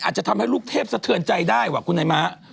อาจจะทำให้ลูกเทพสะเทินใจได้หวะคุณไอน้มา